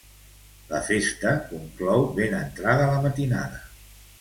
La festa conclou ben entrada la matinada.